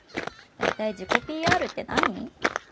大体自己ＰＲって何？